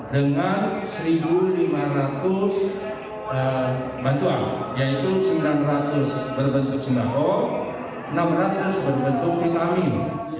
dengan satu lima ratus bantuan yaitu sembilan ratus berbentuk sembako enam ratus berbentuk vitamin